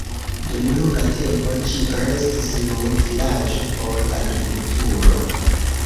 Dum longa tempo ĝi restis nur vilaĝo por agrikulturo.